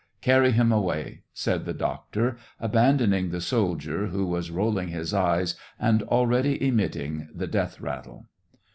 Carry him away," said the doctor, abandoning the soldier, who was rolling his eyes, and already emitting the death rattle.